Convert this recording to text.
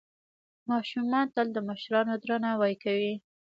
ماشومان تل د مشرانو درناوی کوي.